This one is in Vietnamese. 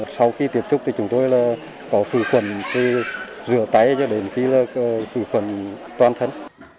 sau khi tiếp xúc thì chúng tôi có khử khuẩn thì rửa tay cho đến khử khuẩn toàn thân